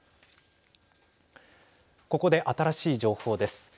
ここで新しい情報です。